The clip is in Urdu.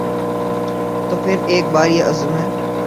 تو پھر ایک بار یہ عزم ہے